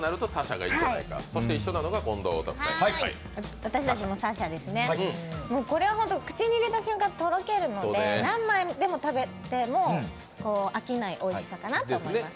そして一緒なのが近藤・太田夫妻とこれは口に入れた瞬間とろけるので何枚でも食べても飽きないおいしさかなと思います。